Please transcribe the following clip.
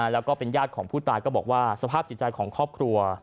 แล้วก็เป็นญาติของผู้ตายก็บอกว่าสภาพจิตใจของครอบครัว